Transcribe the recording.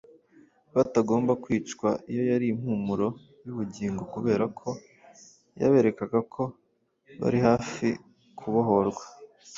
batagomba kwicwa, iyo yari impumuro y’ubugingo kubera ko yaberekaga ko bari hafi kubohorwa.